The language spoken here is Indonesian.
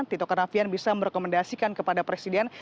juto ketnafian bisa merekomendasikan kepada presiden